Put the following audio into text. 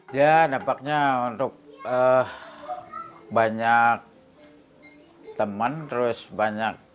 ya dapatnya untuk banyak teman terus banyak